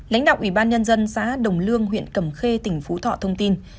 lãnh đạo ủy ban nhân dân xã đồng lương huyện cầm khê tỉnh phú thọ thông tin